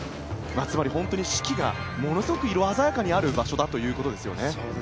つまり本当に四季がものすごく鮮やかにある場所だということですよね。